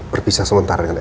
berpisah sementara dengan elsa